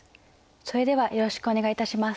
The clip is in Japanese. それではよろしくお願いいたします。